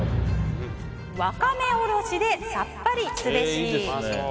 ワカメおろしでさっぱりすべし。